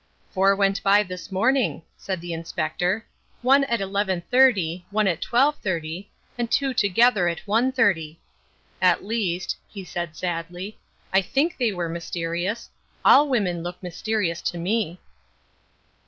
"Four went by this morning," said the Inspector, "one at eleven thirty, one at twelve thirty, and two together at one thirty. At least," he added sadly, "I think they were mysterious. All women look mysterious to me."